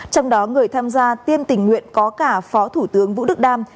trong đó người tham gia tiêm tình nguyện có cả phó thủ tướng vũ đức đam